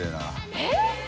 えっ？